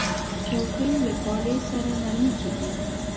چوکۍ له پالې سره نرمې کېږي.